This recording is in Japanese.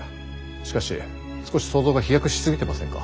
しかし少し想像が飛躍しすぎてませんか？